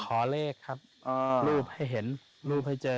ขอเลขครับรูปให้เห็นรูปให้เจอ